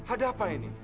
ada apa ini